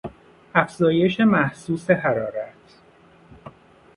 افزایش محسوس حرارت